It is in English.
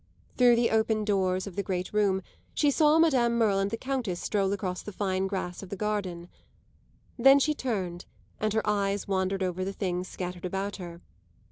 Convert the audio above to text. Through the open doors of the great room she saw Madame Merle and the Countess stroll across the fine grass of the garden; then she turned, and her eyes wandered over the things scattered about her.